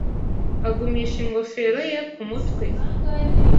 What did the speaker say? Agumisha ingofero ye ku mutwe